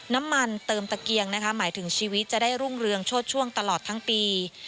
น้ำมันเติมตะเกียงนะคะหมายถึงชีวิตจะได้รุ่งเรืองโชดช่วงตลอดทั้งปี